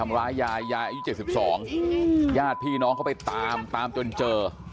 ทำร้ายยายยายอายุ๗๒ยาดพี่น้องเข้าไปตามตามจนเจอ